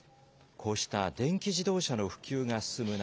こうした電気自動車の普及が進む中。